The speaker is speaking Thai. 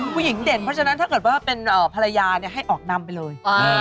ผู้หญิงเด่นเพราะฉะนั้นถ้าเกิดว่าเป็นภรรยาให้ออกนำไปเลย